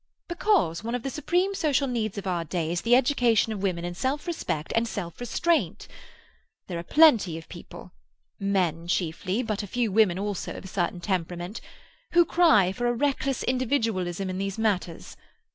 "Because one of the supreme social needs of our day is the education of women in self respect and self restraint. There are plenty of people—men chiefly, but a few women also of a certain temperament—who cry for a reckless individualism in these matters.